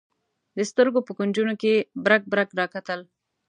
د سترګو په کونجونو کې یې برګ برګ راکتل.